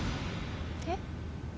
えっ？